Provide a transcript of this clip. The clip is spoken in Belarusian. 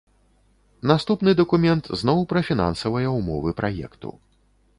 Наступны дакумент зноў пра фінансавыя ўмовы праекту.